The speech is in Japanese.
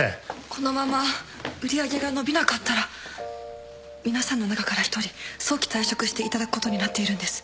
このまま売り上げが伸びなかったら皆さんの中から一人早期退職していただくことになっているんです。